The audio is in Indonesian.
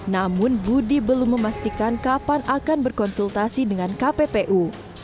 namun budi belum memastikan kapan akan berkonsultasi dengan kppu